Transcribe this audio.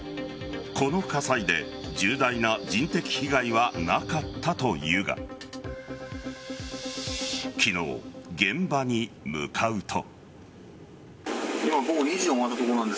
この火災で重大な人的被害はなかったというが昨日、現場に向かうと。